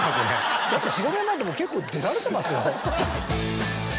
だって４５年前ってもう結構出られてますよ。